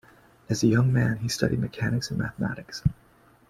As a young man, he studied mechanics and mathematics.